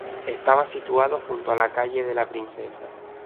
Estaba situado junto a la calle de la Princesa.